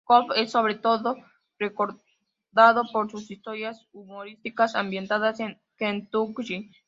Cobb es sobre todo recordado por sus historias humorísticas ambientadas en Kentucky.